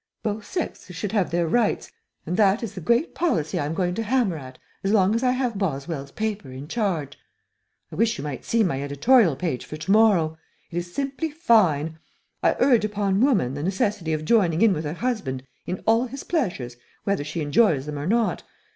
Both sexes should have their rights, and that is the great policy I'm going to hammer at as long as I have Boswell's paper in charge. I wish you might see my editorial page for to morrow; it is simply fine. I urge upon woman the necessity of joining in with her husband in all his pleasures whether she enjoys them or not.